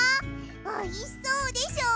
おいしそうでしょ。